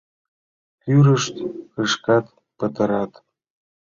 Кӱрышт кышкат, пытарат...